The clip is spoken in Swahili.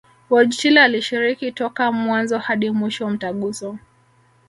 Wojtyla alishiriki toka mwanzo hadi mwisho Mtaguso